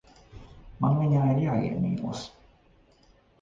Man viņā ir jāiemīlas.